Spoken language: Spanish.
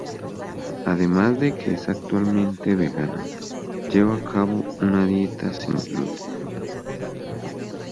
Además de que es actualmente vegana, lleva a cabo una dieta sin gluten.